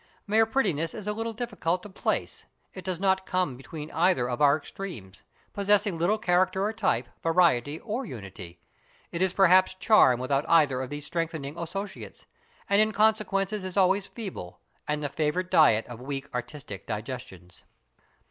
Mere prettiness is a little difficult to place, it does not come between either of our extremes, possessing little character or type, variety or unity. It is perhaps charm without either of these strengthening associates, and in consequence is always feeble, and the favourite diet of weak artistic digestions.